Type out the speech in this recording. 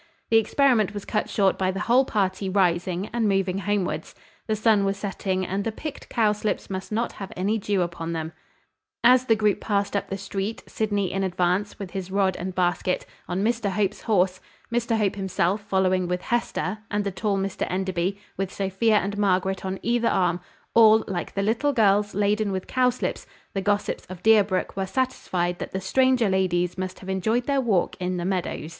The experiment was cut short by the whole party rising, and moving homewards. The sun was setting, and the picked cowslips must not have any dew upon them. As the group passed up the street, Sydney in advance, with his rod and basket, on Mr Hope's horse, Mr Hope himself following with Hester, and the tall Mr Enderby, with Sophia and Margaret on either arm, all, like the little girls, laden with cowslips, the gossips of Deerbrook were satisfied that the stranger ladies must have enjoyed their walk in the meadows.